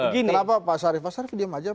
kenapa pak sarif pak sarif diam aja